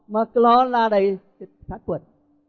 mà calo là đầy sát khuẩn